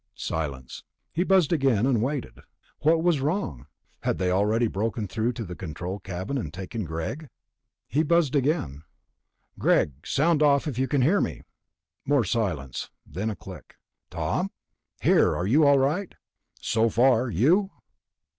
Silence. He buzzed again, and waited. What was wrong? Had they already broken through to the control cabin and taken Greg? He buzzed again. "Greg! Sound off if you can hear me." More silence. Then a click. "Tom?" "Here. Are you all right?" "So far. You?"